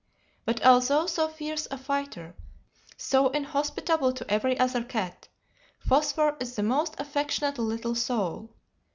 But although so fierce a fighter, so inhospitable to every other cat, Phosphor is the most affectionate little soul.